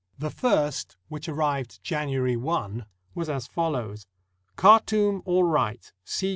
The first, which arrived January i, was as follows: "Khartoum all right.